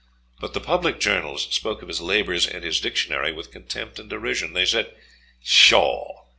But the public journals spoke of his labours and his dictionary with contempt and derision. They said, "Pshaw!